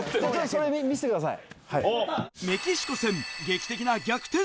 それ見せてください。